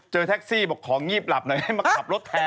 แท็กซี่บอกของงีบหลับหน่อยให้มาขับรถแทน